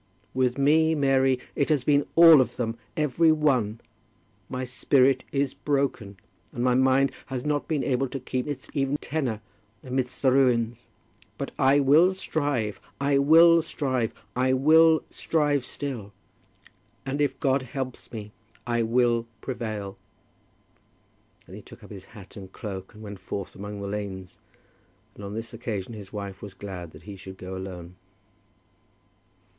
"With me, Mary, it has been all of them, every one! My spirit is broken, and my mind has not been able to keep its even tenour amidst the ruins. But I will strive. I will strive. I will strive still. And if God helps me, I will prevail." Then he took up his hat and cloak, and went forth among the lanes; and on this occasion his wife was glad that he should go alone.